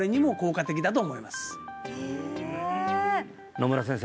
野村先生